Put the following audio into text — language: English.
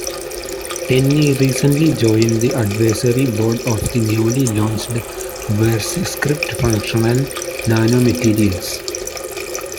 Tenne recently joined the Advisory Board of the newly launched "Veruscript Functional Nanomaterials".